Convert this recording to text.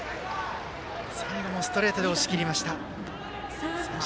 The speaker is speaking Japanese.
最後もストレートで押し切りました。